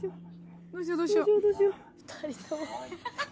どうしようどうしよう。